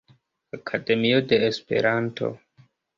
Akademio de Esperanto.